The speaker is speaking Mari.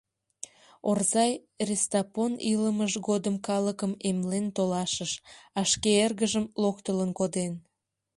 — Орзай Рестапон илымыж годым калыкым «эмлен» толашыш, а шке эргыжым локтылын коден...